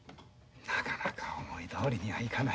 なかなか思いどおりにはいかないよ。